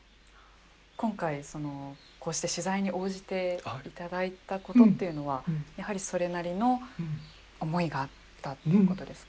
今回こうして取材に応じていただいたことっていうのはやはりそれなりの思いがあったっていうことですか。